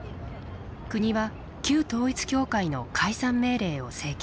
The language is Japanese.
国は旧統一教会の解散命令を請求した。